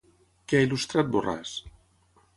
Què ha il·lustrat Borràs?